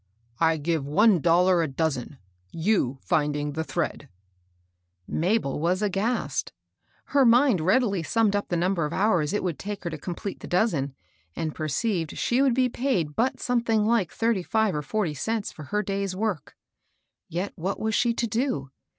" I ^ve one dollar a dozen, — you finding the thread:' Mabel was aghast. Her mind readily summed up the number of hours it would take her to complete the dozen, and perceived she would be paid but something like thirty five or forty cents for her day's work. Yet what was she to do?